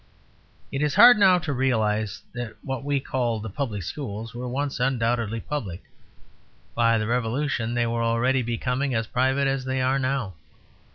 It is hard now to realize that what we call the Public Schools were once undoubtedly public. By the Revolution they were already becoming as private as they are now.